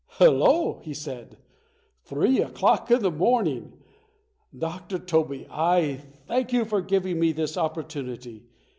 "Hello!" he said, "Three o'clock in the morn ing! Dr. Tobey, I thank you for giving me this opportunity.